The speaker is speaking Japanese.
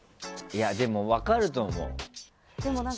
でも、分かると思う。